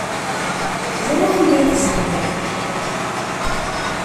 Ẓriɣ anda ay tzedɣeḍ.